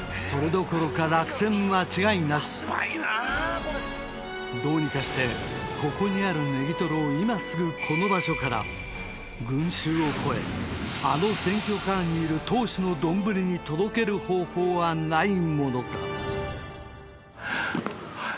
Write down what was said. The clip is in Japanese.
それどころか落選間違いなしどうにかしてここにあるネギトロを今すぐこの場所から群衆を越えあの選挙カーにいる党首の丼に届ける方法はないものか？